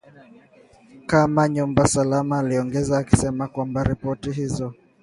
kama nyumba salama aliongeza akisema kwamba ripoti hizo